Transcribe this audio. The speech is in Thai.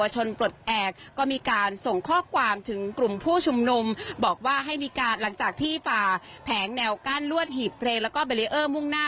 หิบเพลงและก็เบลเลอร์มุ่งหน้า